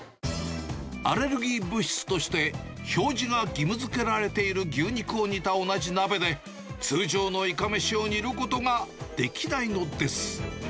アレルギー物質として表示が義務づけられている牛肉を煮た同じ鍋で、通常のいかめしを煮ることができないのです。